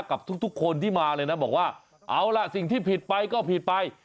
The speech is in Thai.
กับทุกคนที่มาเลยนะบอกว่าเอาล่ะสิ่งที่ผิดไปก็ผิดไป